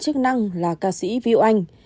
cơ quan chức năng là ca sĩ vị oanh